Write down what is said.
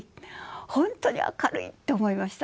本当に明るいって思いました。